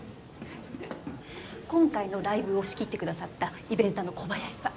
今回のライブを仕切ってくださったイベンターの小林さん